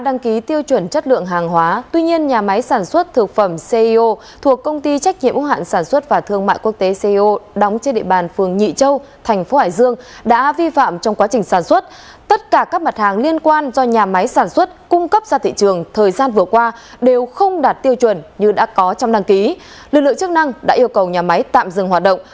như đã có trong đăng ký lực lượng chức năng đã yêu cầu nhà máy tạm dừng hoạt động